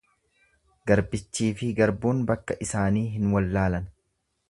Garbichiifi garbuun bakka isaanii hin wallaalan.